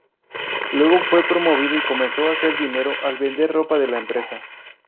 Luego fue promovido y comenzó a hacer dinero al vender ropa de la empresa.